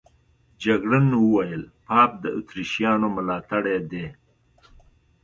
جګړن وویل پاپ د اتریشیانو ملاتړی دی.